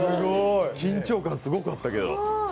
緊張感すごかったけど。